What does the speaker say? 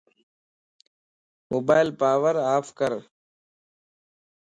موبائل پاور اوف ڪر